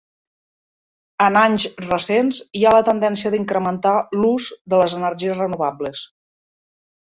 En anys recents hi ha la tendència d'incrementar l'ús de les energies renovables.